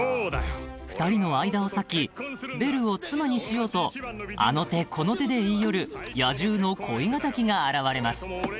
［２人の間を裂きベルを妻にしようとあの手この手で言い寄る野獣の恋敵が現れます］